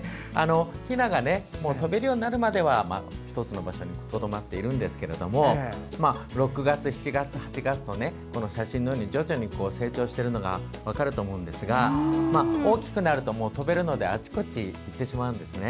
ひなが飛べるようになるまでは１つの場所にとどまっているんですけども６月、７月、８月と写真のように徐々に成長しているのが分かると思いますが大きくなると飛べるのであちこちに行ってしまうんですね。